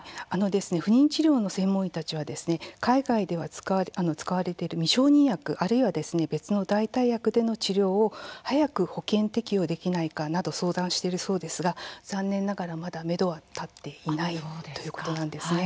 不妊治療の専門医たちは海外では使われている未承認薬あるいは別の代替薬での治療も早く保険適用できないかなど相談しているそうですが残念ながら、まだめどは立っていないということです。